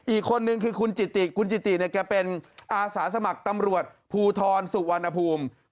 อีกคนนึงคือคุณจิติคุณจิติเนี่ยแกเป็นอาสาสมัครตำรวจภูทรสุวรรณภูมิ